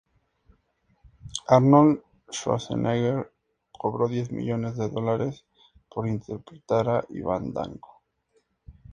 Arnold Schwarzenegger cobró diez millones de dólares por interpretar a Ivan Danko.